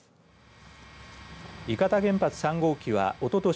伊方原発３号機はおととし